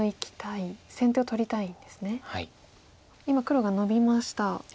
今黒がノビました。